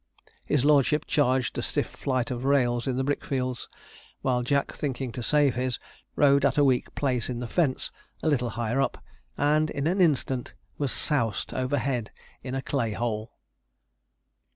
His lordship charged a stiff flight of rails in the brick fields; while Jack, thinking to save his, rode at a weak place in the fence, a little higher up, and in an instant was soused overhead in a clay hole.